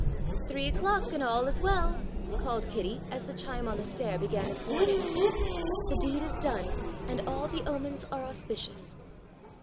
"Three o'clock and all is well," called Kitty as the chime on the stair began its warning. "The deed is done and all the omens are auspicious."